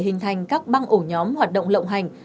hình thành các băng ổ nhóm hoạt động lộng hành